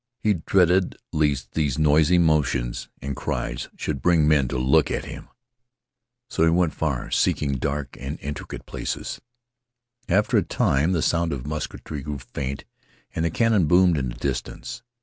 He dreaded lest these noisy motions and cries should bring men to look at him. So he went far, seeking dark and intricate places. After a time the sound of musketry grew faint and the cannon boomed in the distance.